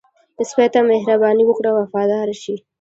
سپي ته مهرباني وکړه، وفاداره شي.